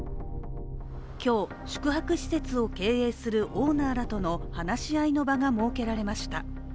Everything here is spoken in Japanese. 今日、宿泊施設を経営するオーナーらとの話し合いの場が設けられました。